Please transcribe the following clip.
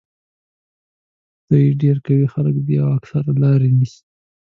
دوی ډېر قوي خلک دي او اکثره لارې نیسي.